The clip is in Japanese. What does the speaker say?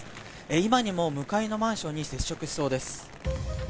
今にも向かいのマンションに接触しそうです。